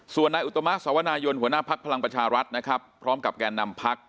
ส่วนนายอุตมาสวนายนหัวหน้าภัทรภัลังปัชรรัฐแล้วพร้อมแก่นำภักษ์